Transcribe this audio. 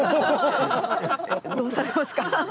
どうされますか？